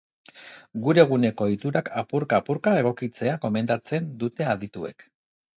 Gure eguneko ohiturak apurka-apurka egokitzea gomendatzen dute adituek.